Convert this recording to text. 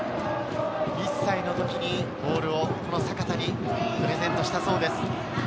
１歳の時にボールをこの阪田にプレゼントしたそうです。